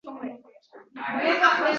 Bolajonim kuydirma buncha